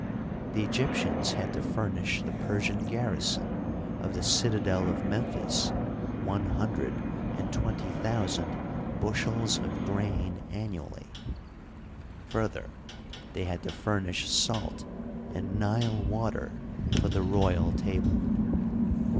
The Egyptians had to furnish the Persian garrison of the cita del of Memphis one hundred and twenty thousand bush els of grain annually. Further, they had to furnish salt and Nile water for the royal table.